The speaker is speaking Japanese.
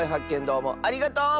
どうもありがとう！